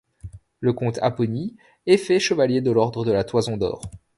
Le comte Apponyi est fait chevalier de l'ordre de la Toison d'or.